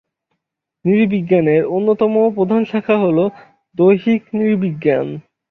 নৃবিজ্ঞানের অন্যতম প্রধান শাখা হল দৈহিক নৃবিজ্ঞান।